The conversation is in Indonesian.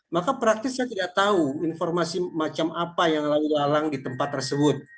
maka praktis saya tidak tahu informasi macam apa yang lalu lalang di tempat tersebut